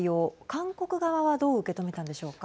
韓国側はどう受け止めたんでしょうか。